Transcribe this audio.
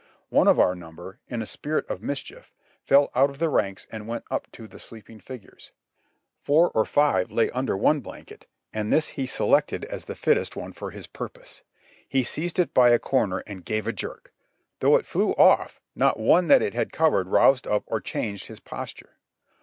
One of our number, in a spirit of mischief, fell out of the ranks and went up to the sleeping figures ; four or five lay under one blanket, and this he selected as the fittest l68 JOHNNY REB AND BII,I^Y YANK one for his purpose. He seized it by a corner and gave a jerk; though it flew off, not one that it had covered roused up or changed his posture.